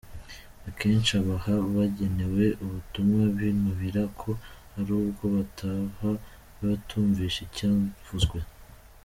Akenshi ababa bagenewe ubutumwa binubira ko hari ubwo bataha batumvise icyavuzwe.